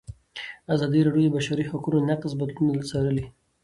ازادي راډیو د د بشري حقونو نقض بدلونونه څارلي.